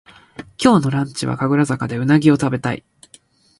今日のランチは神楽坂でうなぎをたべたい